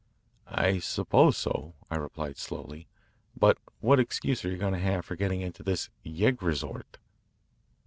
"I suppose so, I replied slowly. But what excuse are you going to have for getting into this yegg resort?"